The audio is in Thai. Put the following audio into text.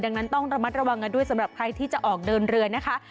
ดังนั้นต้องระมัดระวังกันด้วยสำหรับใครที่จะออกเดินเรือนะคะ